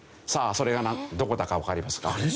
それがどこだかわかりますか？